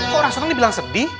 kok orang seneng nih bilang sedih